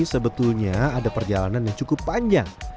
sebetulnya ada perjalanan yang cukup panjang